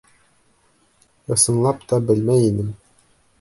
Ысынлап та белмәй инем.